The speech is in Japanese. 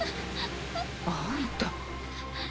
あんた。